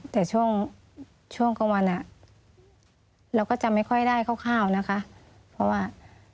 แต่ช่วงช่วงกลางวันเราก็จำไม่ค่อยได้คร่าวนะคะเพราะว่า